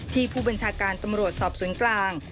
ผู้บัญชาการตำรวจสอบสวนกลาง